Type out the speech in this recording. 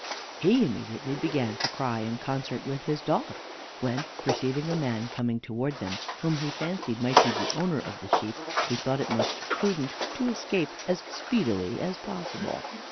He immediately began to cry in concert with his dog, when, perceiving a man coming towards them, whom he fancied might be the owner of the sheep, he thought it most prudent to escape as speedily as possible.